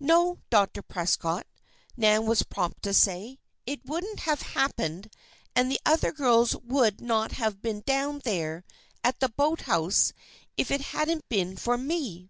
"No, Dr. Prescott," Nan was prompt to say. "It wouldn't have happened, and the other girls would not have been down there at the boathouse, if it hadn't been for me."